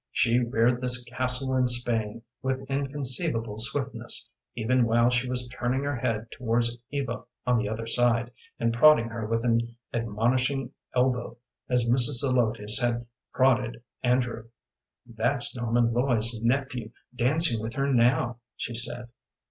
She reared this castle in Spain with inconceivable swiftness, even while she was turning her head towards Eva on the other side, and prodding her with an admonishing elbow as Mrs. Zelotes had prodded Andrew. "That's Norman Lloyd's nephew dancing with her now," she said.